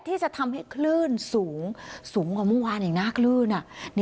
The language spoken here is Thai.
ที่จะทำให้คลื่นสูงสูงกว่าเมื่อวานอีกนะคลื่น